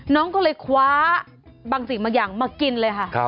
น้องก็เลยคว้าบางสิ่งบางอย่างมากินเลยค่ะ